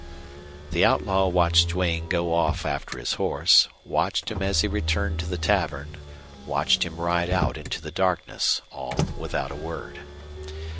The outlaw watched Duane go off after his horse, watched him as he returned to the tavern, watched him ride out into the darkness all without a word.